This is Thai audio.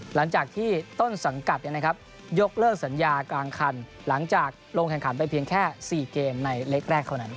หลังจากที่ต้นสังกัดยกเลิกสัญญากลางคันหลังจากลงแข่งขันไปเพียงแค่๔เกมในเล็กแรกเท่านั้น